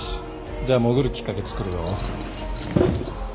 じゃあ潜るきっかけつくるよ。